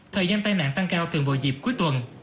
thời gian tai nạn tăng cao thường vào dịp cuối tuần